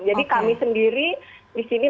jadi kami sendiri di sini